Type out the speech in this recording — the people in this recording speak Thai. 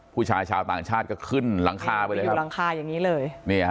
ผู้ชายชาวต่างชาติก็ขึ้นหลังคาไปเลยอยู่หลังคาอย่างนี้เลย